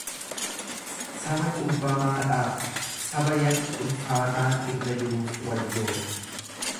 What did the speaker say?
Saba cubbamaadhaaf, saba yakki ulfaataan irra jiruuf wayyoo!